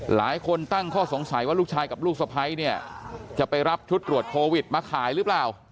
หลายคนตั้งข้อสงสัยว่าลูกชายกับลูกสะพ้ายเนี่ยจะไปรับชุดตรวจโควิดมาขายหรือเปล่า